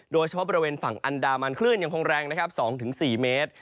โดยเฉพาะบริเวณฝั่งอันดามันคลื่นยังคงแรงนะครับ๒๔เมตร